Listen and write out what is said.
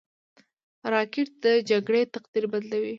راکټ د جګړې تقدیر بدلوي